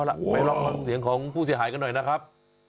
ไปลองฟังเสียงของผู้เสียหายกันหน่อยนะครับ